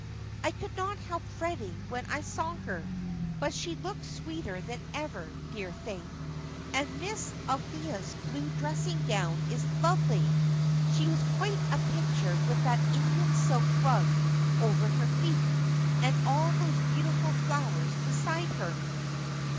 I could not help fretting when I saw her. But she looks sweeter than ever, dear thing, and Miss Althea's blue dressing gown is lovely! She was quite a picture with that Indian silk rug over her feet, and all those beautiful flowers beside her."